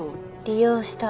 利用した。